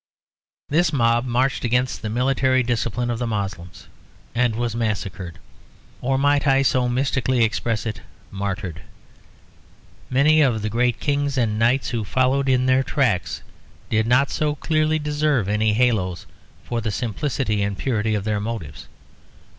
This mob marched against the military discipline of the Moslems and was massacred; or, might I so mystically express it, martyred. Many of the great kings and knights who followed in their tracks did not so clearly deserve any haloes for the simplicity and purity of their motives.